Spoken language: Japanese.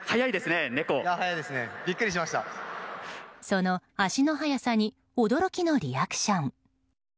その足の速さに驚きのリアクション。